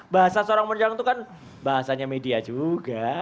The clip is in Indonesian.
bahasa sorong menyorong itu kan bahasanya media juga